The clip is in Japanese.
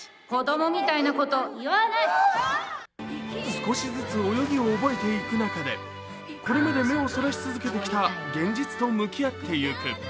少しずつ泳ぎを覚えていく中でこれまで目をそらし続けてきた現実と向き合っていく。